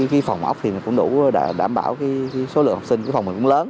thì tính toán bố trí học lệch ca